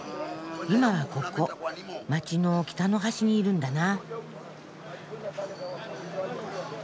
今はここ街の北の端にいるんだな。